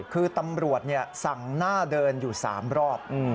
คือตำรวจสั่งหน้าเดินอยู่๓รอบ